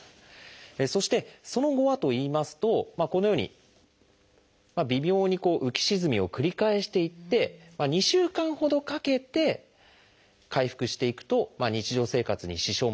そしてその後はといいますとこのように微妙に浮き沈みを繰り返していって２週間ほどかけて回復していくと日常生活に支障もなくなっていく。